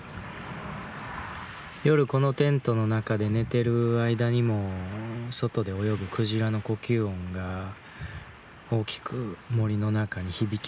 夜このテントの中で寝てる間にも外で泳ぐクジラの呼吸音が大きく森の中に響き渡ることがあります。